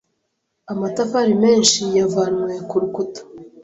amatafari menshi yavanwe ku rukuta